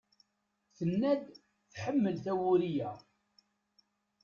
Tenna-d tḥemmel tawuri-a.